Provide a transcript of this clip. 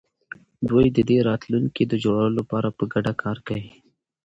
دوی د دې راتلونکي د جوړولو لپاره په ګډه کار کوي.